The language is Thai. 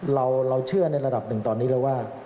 เราเชื่อในระดับ๑ตอนนี้แล้วว่า